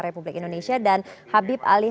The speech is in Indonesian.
republik indonesia dan habib ali